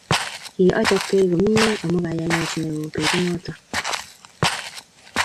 Kiochobkei komye amu kayanet neo betut noto